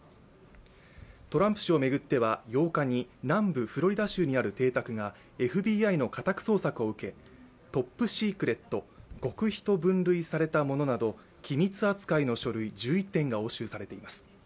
トランプ氏を巡っては８日に、南部フロリダ州にある邸宅がＦＢＩの家宅捜索を受け、トップシークレット＝極秘と分類されたものなど機密扱いの書類１１点が押収されています。